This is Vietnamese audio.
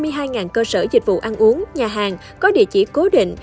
các nhà hàng cơ sở dịch vụ ăn uống nhà hàng có địa chỉ cố định